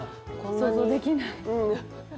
想像できない。